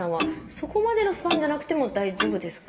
そこまでのスパンじゃなくても大丈夫ですか？